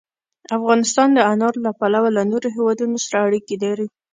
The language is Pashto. افغانستان د انارو له پلوه له نورو هېوادونو سره اړیکې لري.